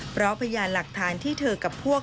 เพราะพยานหลักฐานที่เธอกับพวก